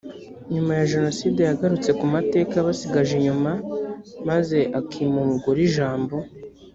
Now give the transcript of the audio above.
nyuma ya jenoside yagarutse ku mateka yabasigaje inyuma maze akima umugore ijambo